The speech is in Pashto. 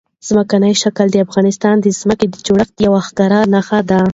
ځمکنی شکل د افغانستان د ځمکې د جوړښت یوه ښکاره نښه ده.